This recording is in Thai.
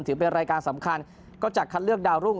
ถือเป็นรายการสำคัญก็จะคัดเลือกดาวรุ่ง